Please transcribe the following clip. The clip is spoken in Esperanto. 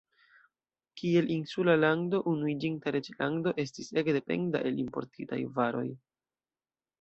Kiel insula lando, Unuiĝinta Reĝlando estis ege dependa el importitaj varoj.